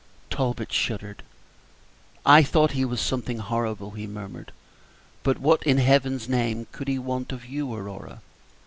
Talbot shuddered. "I thought he was something horrible," he murmured; "but what, in Heaven's name, could he want of you, Aurora?"